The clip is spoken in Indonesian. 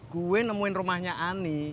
gue nemuin rumahnya ani